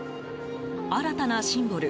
新たなシンボル